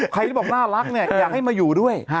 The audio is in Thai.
ใครที่บอกน่ารักเนี่ยอยากให้มาอยู่ด้วย